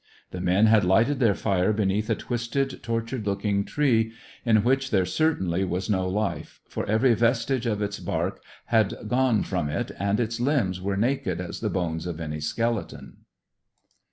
The men had lighted their fire beneath a twisted, tortured looking tree, in which there certainly was no life, for every vestige of its bark had gone from it, and its limbs were naked as the bones of any skeleton.